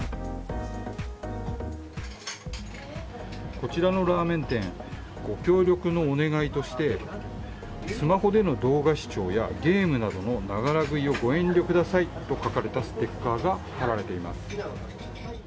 こちらのラーメン店、ご協力のお願いとして、スマホでの動画視聴やゲームなどのながら食いをご遠慮くださいと書かれたステッカーが貼られています。